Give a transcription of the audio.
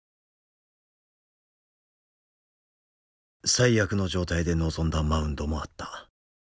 最悪の状態で臨んだマウンドもあった。